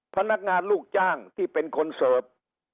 พนักงานลูกจ้างที่เป็นคนเสิร์ฟ